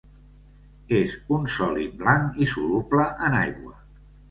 És un sòlid blanc i soluble en aigua.